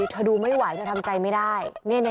เธอดูไม่ไหวเธอทำใจไม่ได้